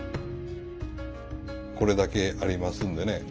これだけありますんでね。